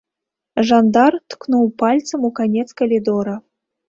Жандар ткнуў пальцам у канец калідора.